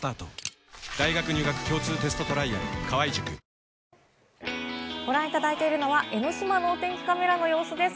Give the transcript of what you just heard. ニトリご覧いただいているのは江の島のお天気カメラの様子です。